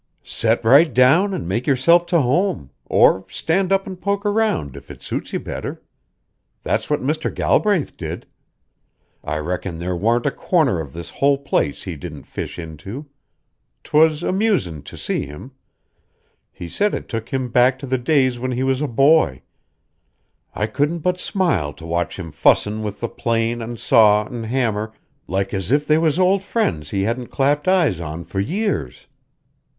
Set right down an' make yourself to home, or stand up an' poke found, if it suits you better. That's what Mr. Galbraith did. I reckon there warn't a corner of this whole place he didn't fish into. 'Twas amusin' to see him. He said it took him back to the days when he was a boy. I couldn't but smile to watch him fussin' with the plane an' saw an' hammer like as if they was old friends he hadn't clapped eyes on for years."